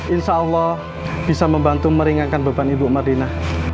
insya allah bisa membantu meringankan beban ibu mardinah